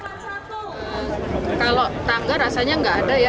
kalau tangga rasanya nggak ada ya